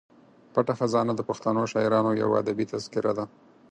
پټه خزانه د پښتنو شاعرانو یوه ادبي تذکره ده.